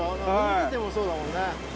見ててもそうだもんね